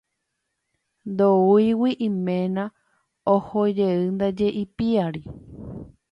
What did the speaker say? Ndoúigui iména, ohojeýndaje ipiári.